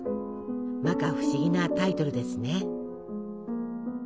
まか不思議なタイトルですね。